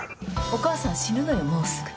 お母さん、死ぬのよもうすぐ。